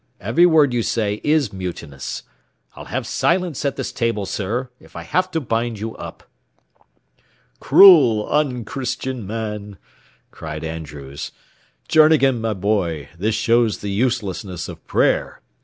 Every word you say is mutinous. I'll have silence at this table, sir, if I have to bind you up." "Cruel, unchristian man!" cried Andrews. "Journegan, my boy, this shows the uselessness of prayer.